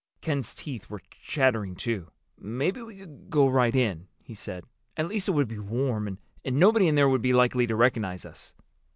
Ken's teeth were chattering, too. "Maybe we could go right in," he said. "At least it would be warm. And nobody in there would be likely to recognize us."